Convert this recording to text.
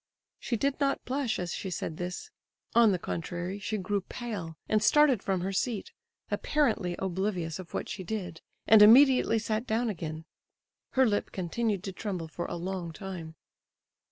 She did not blush as she said this; on the contrary, she grew pale, and started from her seat, apparently oblivious of what she did, and immediately sat down again. Her lip continued to tremble for a long time.